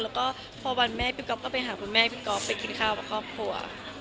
แล้วก็พอวันแม่พี่ก๊อฟก็ไปหาคุณแม่พี่ก๊อฟไปกินข้าวกับครอบครัว